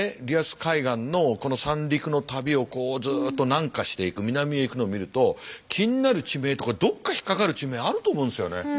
リアス海岸のこの三陸の旅をこうずっと南下していく南へ行くのを見ると気になる地名とかどっか引っかかる地名あると思うんですよね。